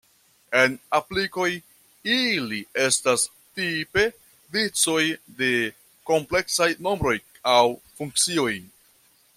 En aplikoj, ili estas tipe vicoj de kompleksaj nombroj aŭ funkcioj.